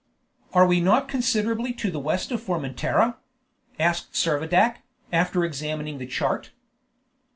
"Are we not considerably to the west of Formentera?" asked Servadac, after examining the chart.